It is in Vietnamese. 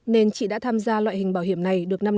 nên chị đã tham gia loại hình bảo hiểm này được năm năm